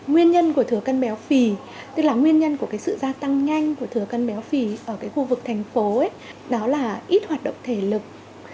nguyên nhân của thừa cân béo phì tức là nguyên nhân của sự gia tăng nhanh của thừa cân béo phì ở khu vực thành phố đó là ít hoạt động thể lực